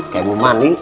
kayak mau mandi